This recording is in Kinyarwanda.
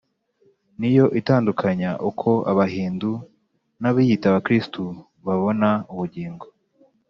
ni yo itandukanya uko abahindu n’abiyita abakristo babona ubugingo.